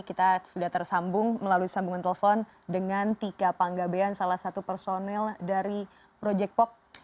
kita sudah tersambung melalui sambungan telepon dengan tika panggabean salah satu personel dari project pop